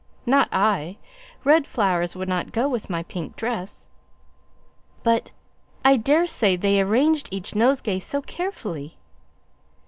"Not I; red flowers would not go with my pink dress." "But I daresay they arranged each nosegay so carefully!"